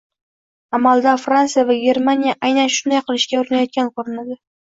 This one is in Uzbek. Amalda, Frantsiya va Germaniya aynan shunday qilishga urinayotgan ko'rinadi